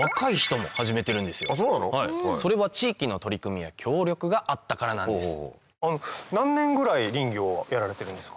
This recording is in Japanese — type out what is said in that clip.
それは地域の取り組みや協力があったからなんです。